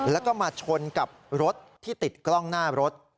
แล้วก็มาชนกับรถที่ติดกล้องหน้ารถ